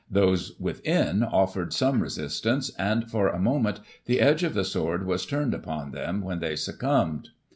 Those within offered some resistance ; and, for a moment, the edge of the sword was turned upon them, when they succumbed.